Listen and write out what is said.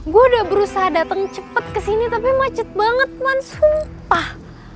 gue udah berusaha datang cepat kesini tapi macet banget man sampah